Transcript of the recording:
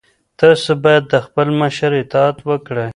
تاسو باید د خپل مشر اطاعت وکړئ.